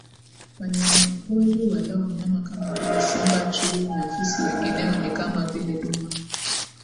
Wanyamapori walao nyama kama vile simba chui na fisi Wengineo ni kama vile duma